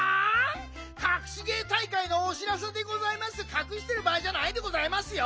かくしてるばあいじゃないでございますよ。